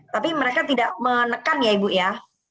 tapi mereka tidak menekan ya ibu ya